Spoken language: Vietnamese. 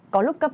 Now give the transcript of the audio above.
có lúc cấp năm